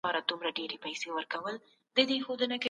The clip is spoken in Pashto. زه غواړم د ټولو معلوماتو ساتنه وکړم.